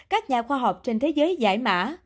các nhà khoa học trên thế giới giải mã